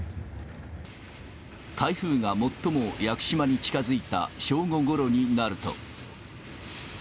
台風が最も屋久島に近づいた正午ごろになると。